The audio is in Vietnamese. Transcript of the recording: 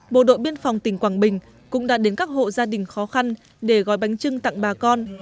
bộ đội biên phòng tỉnh quảng bình cũng đã đến các hộ gia đình khó khăn để gói bánh trưng tặng bà con